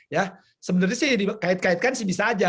ya sebenarnya sih dikait kaitkan sih bisa aja